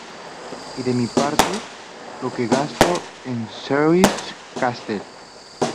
Y mi padre: ¡lo que gastó en Serres-Castet!